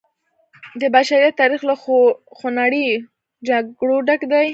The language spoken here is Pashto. د بشریت تاریخ له خونړیو جګړو ډک دی.